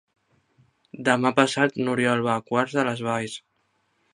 Demà passat n'Oriol va a Quart de les Valls.